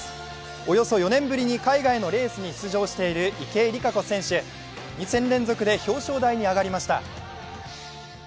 およそ４年ぶりに海外のレースに出場している池江璃花子選手、２戦連続で表彰台に上がりました。